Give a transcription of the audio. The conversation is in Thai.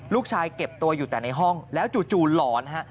ลูกชายเก็บตัวอยู่แต่ในห้องแล้วจู่หลอน